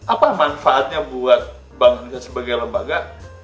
apa manfaatnya buat bank indonesia sebagai lembaga